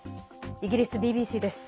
イギリスＢＢＣです。